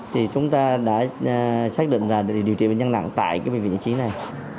thì chúng ta đã xác định là điều trị bệnh nhân nạn tại bệnh viện giả chiến này